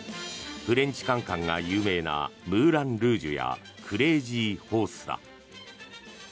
フレンチカンカンが有名なムーラン・ルージュやクレイジー・ホースだ。